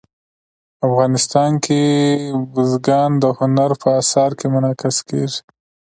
افغانستان کې بزګان د هنر په اثار کې منعکس کېږي.